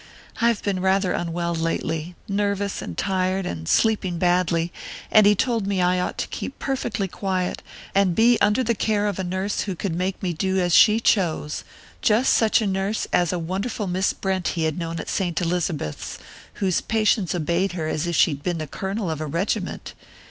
I've been rather unwell lately nervous and tired, and sleeping badly and he told me I ought to keep perfectly quiet, and be under the care of a nurse who could make me do as she chose: just such a nurse as a wonderful Miss Brent he had known at St. Elizabeth's, whose patients obeyed her as if she'd been the colonel of a regiment.